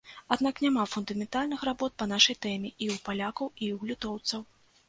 Аднак няма фундаментальных работ па нашай тэме і ў палякаў, і ў літоўцаў.